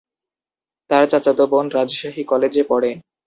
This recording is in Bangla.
তার চাচাতো বোন রাজশাহী কলেজে পড়ে।